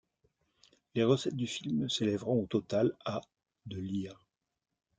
Les recettes du film s'élèveront au total à de Lire.